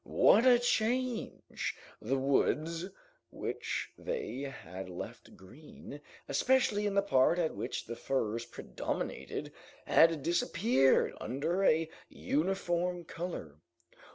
What a change! The woods, which they had left green, especially in the part at which the firs predominated, had disappeared under a uniform color.